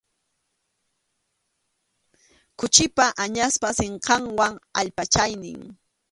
Khuchipa, añaspa sinqanwan allpachaynin.